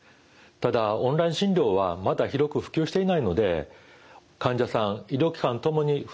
ただオンライン診療はまだ広く普及していないので患者さん医療機関ともに不慣れなところはあります。